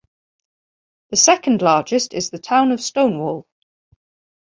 The second largest is the town of Stonewall.